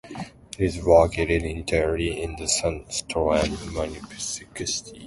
It is located entirely in the Stranda Municipality.